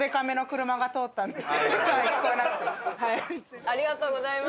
はい。